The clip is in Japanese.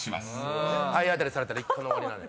体当たりされたら一巻の終わりなのよ。